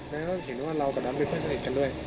และเหอมว่าเรากับน้ำมันเป็นเพื่อนสนิทกันด้วย